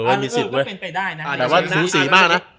เออมีสิทธิ์ด้วยแต่ว่าสูงสีมากนะ